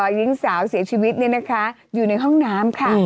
หญิงสาวเสียชีวิตเนี่ยนะคะอยู่ในห้องน้ำค่ะ